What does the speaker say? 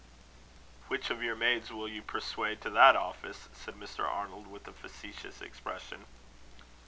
"Which of your maids will you persuade to that office?" said Mr. Arnold, with a facetious expression.